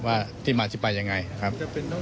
ว่าในการทำสำนวนก็ได้นะครับ